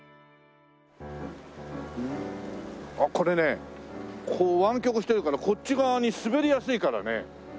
あっこれねこう湾曲してるからこっち側に滑りやすいからね。